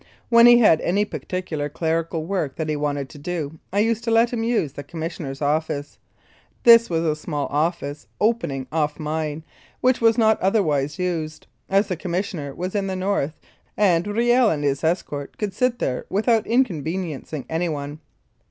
When he had any particular clerical work that he wanted to do, I used to let him use the Commissioner's office. This was a small office opening off mine, which was not otherwise used, as the Commissioner was in the north, and Riel and his escort could sit there without inconveniencing anyone.